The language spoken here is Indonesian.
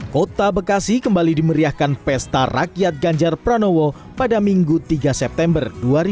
kota bekasi kembali dimeriahkan pesta rakyat ganjar pranowo pada minggu tiga september dua ribu dua puluh